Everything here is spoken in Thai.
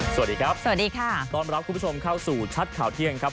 สวัสดีครับสวัสดีค่ะต้อนรับคุณผู้ชมเข้าสู่ชัดข่าวเที่ยงครับ